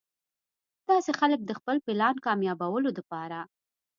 داسې خلک د خپل پلان کاميابولو د پاره